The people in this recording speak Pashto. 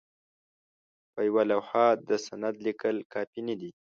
په یوه لوحه د سند لیکل کافي نه دي.